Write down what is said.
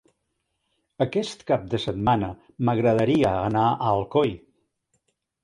Aquest cap de setmana m'agradaria anar a Alcoi.